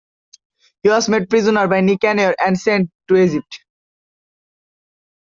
He was made prisoner by Nicanor and sent to Egypt.